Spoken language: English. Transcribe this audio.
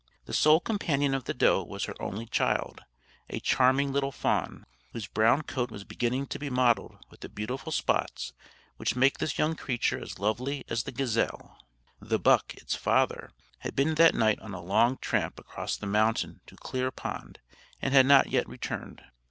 The sole companion of the doe was her only child, a charming little fawn, whose brown coat was beginning to be mottled with the beautiful spots which make this young creature as lovely as the gazelle. The buck, its father, had been that night on a long tramp across the mountain to Clear Pond, and had not yet returned.